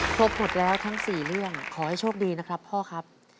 ครบหมดแล้วทั้ง๔เรื่องขอให้โชคดีนะครับพ่อครับ